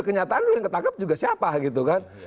kenyataan dulu yang ketangkap juga siapa gitu kan